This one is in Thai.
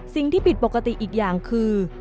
สิ่งที่ผิดปกติอีกอย่างคือ